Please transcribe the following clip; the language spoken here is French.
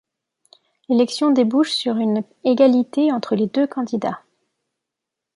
L'élection débouche sur une égalité entre les deux candidats.